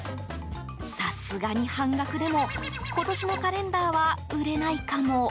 さすがに半額でも今年のカレンダーは売れないかも。